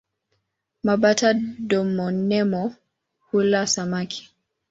Mabata-domomeno hula samaki.